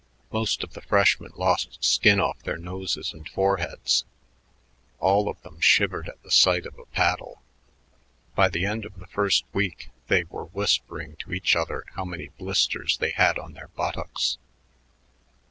Most of the freshmen lost skin off their noses and foreheads; all of them shivered at the sight of a paddle. By the end of the first week they were whispering to each other how many blisters they had on their buttocks.